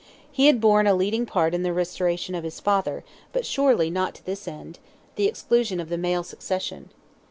He had borne a leading part in the restoration of his father, but surely not to this end—the exclusion of the male succession.